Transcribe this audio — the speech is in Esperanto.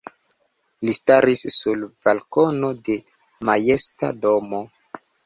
Li staris sur balkono de majesta domo.